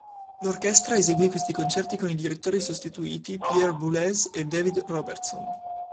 L'orchestra eseguì questi concerti con i direttori sostituti Pierre Boulez e David Robertson.